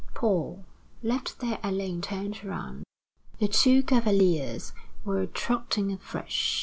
Paul, left there alone, turned round. The two cavaliers were trotting afresh.